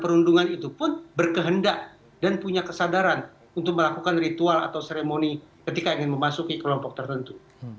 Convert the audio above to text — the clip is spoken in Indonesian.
perundungan itu pun berkehendak dan punya kesadaran untuk melakukan ritual atau seremoni ketika ingin memasuki kelompok tertentu